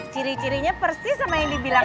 ciri cirinya persis sama yang dibilang